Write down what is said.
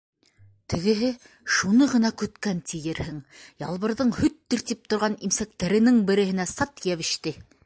Тегеһе шуны ғына көткән тиерһең, Ялбырҙың һөт тиртеп торған имсәктәренең береһенә сат йәбеште.